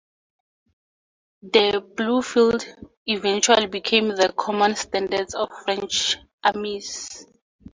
The blue field eventually became the common standard for French armies.